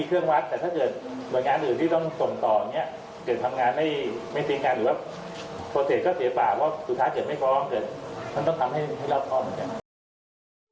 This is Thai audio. อืม